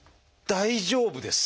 大丈夫です。